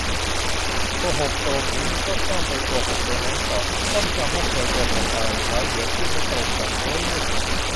โกหกตรงนี้ ก็ต้องไปโกหกตรงนั้นต่อ ต้องจำว่าเคยโกหกอะไรไว้ เดี๋ยวพูดไม่ตรงกัน โอ๊ย วุ่น